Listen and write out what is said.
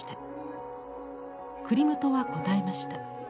クリムトは答えました。